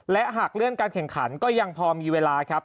และหากเลื่อนการแข่งขันก็ยังพอมีเวลาครับ